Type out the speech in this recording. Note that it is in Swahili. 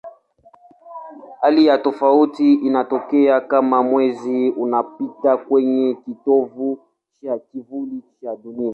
Hali ya tofauti inatokea kama Mwezi unapita kwenye kitovu cha kivuli cha Dunia.